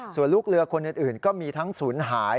ส่วนลูกเรือคนอื่นก็มีทั้งศูนย์หาย